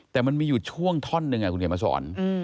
แต่มันมีอยู่ช่วงท่อนหนึ่งคุณเขียนมาสอน